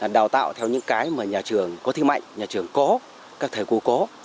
đào tạo theo những cái mà nhà trường có thi mạnh nhà trường có các thầy cô có